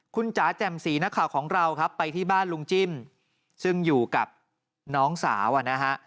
คุณจ๋าแจ่มสีนักข่าวของเราครับไปที่บ้านลุงจิ้มซึ่งอยู่กับน้องสาวอ่ะนะฮะ